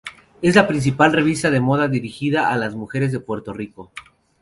Es la principal revista de moda dirigida a las mujeres de Puerto Rico.